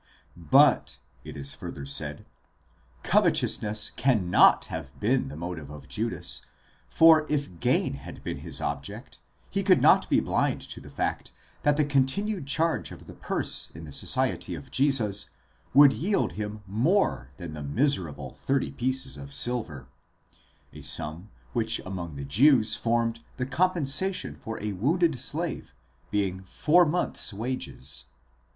But, it is further said, covetousness cannot have been the motive of Judas ; for if gain had been his object, he could not be blind to the fact that the continued charge of the purse in the society of Jesus, would yield him more than the miserable thirty pieces of silver (from 20 to 25 thalers,* of our money), 2 sum which among the Jews formed the compensation for a wounded slave, being four months' wages.